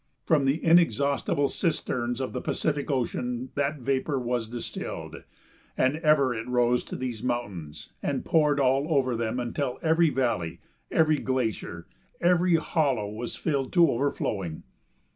From the inexhaustible cisterns of the Pacific Ocean that vapor was distilled, and ever it rose to these mountains and poured all over them until every valley, every glacier, every hollow, was filled to overflowing.